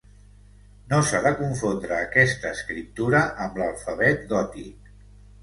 No s'ha de confondre aquesta escriptura amb l'alfabet gòtic.